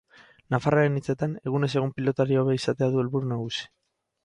Nafarraren hitzetan, egunez egun pilotari hobea izatea du helburu nagusi.